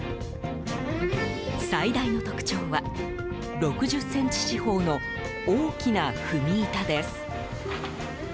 最大の特徴は、６０ｃｍ四方の大きな踏み板です。